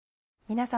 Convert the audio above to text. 皆様。